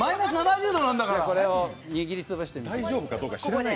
これを握りつぶして。